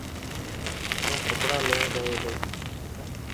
هون ڪپڙا ليڻ گيو تو.